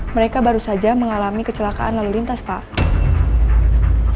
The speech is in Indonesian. mereka baru saja mengalami kecelakaan lalu lintas pak